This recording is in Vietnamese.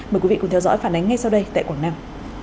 mời quý vị cùng theo dõi phản ánh ngay sau đây tại quảng nam